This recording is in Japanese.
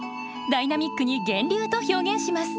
ダイナミックに「源流」と表現します。